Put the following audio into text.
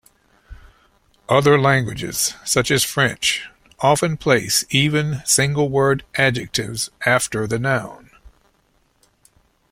Other languages, such as French, often place even single-word adjectives after the noun.